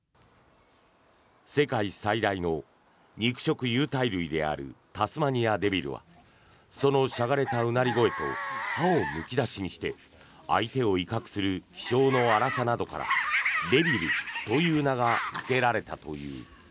世界最大の肉食有袋類であるタスマニアデビルはそのしゃがれたうなり声と歯をむき出しにして相手を威嚇する気性の荒さなどからデビルという名がつけられたという。